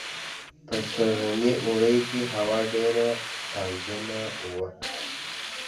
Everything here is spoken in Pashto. په سږني اوړي کې هوا ډېره تاوجنه وه